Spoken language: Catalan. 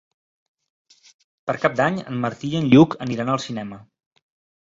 Per Cap d'Any en Martí i en Lluc aniran al cinema.